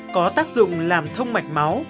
có tác dụng làm thông mạch máu